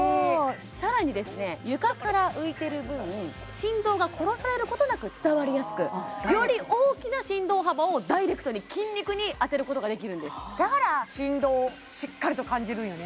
さらに床から浮いてる分振動が殺されることなく伝わりやすくより大きな振動幅をダイレクトに筋肉に当てることができるんですだから振動をしっかりと感じるんやね